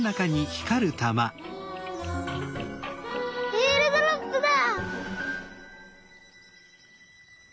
えーるドロップだ！